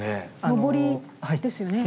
のぼりですよね。